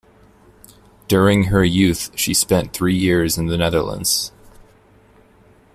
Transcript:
During her youth she spent three years in the Netherlands.